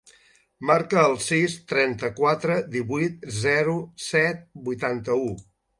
Marca el sis, trenta-quatre, divuit, zero, set, vuitanta-u.